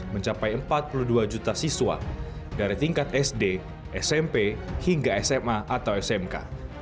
mencapai empat puluh dua juta siswa dari tingkat sd smp hingga sma atau smk